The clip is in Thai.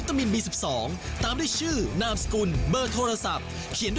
คุณจุงพรแซ่เตี๊ว